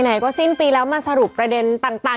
ไหนก็สิ้นปีแล้วมาสรุปประเด็นต่าง